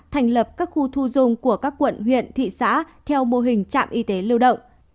thành lập các khu thu dung của các quận huyện thị xã theo mô hình trạm y tế lưu động